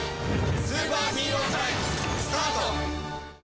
スーパーヒーロータイムスタート！